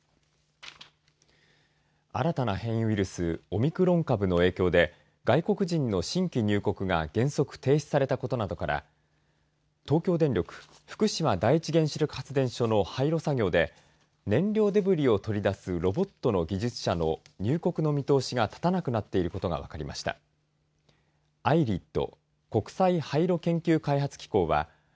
新たな変異ウイルスオミクロン株の影響で外国人の新規入国が原則停止されたことなどから東京電力福島第一原子力発電所の廃炉作業で燃料デブリを取り出すロボットの技術者の入国の見通しが立たなくなっていることが分かりました。